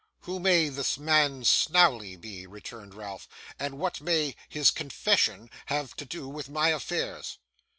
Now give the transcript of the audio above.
'Who may "the man Snawley" be,' returned Ralph, 'and what may his "confession" have to do with my affairs?